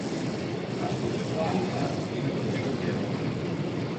Ας πούμε το άλφα είναι το πιο τυχερό